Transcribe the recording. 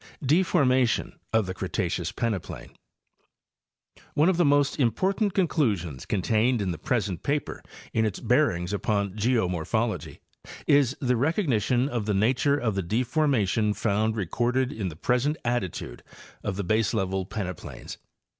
DEFORMATION OF THE CRETACEOUS PENEPLAIN. One of the most important conclusions contained in the pres ent paper, in its bearings upon geomorphology, is the recognition of the nature of the deformation found recorded in the present attitude of the baselevel peneplains.